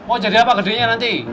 oh jadi apa gedenya nanti